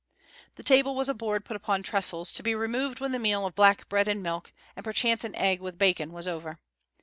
The table was a board put upon trestles, to be removed when the meal of black bread and milk, and perchance an egg with bacon, was over.